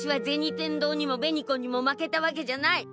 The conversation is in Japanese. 天堂にも紅子にも負けたわけじゃない！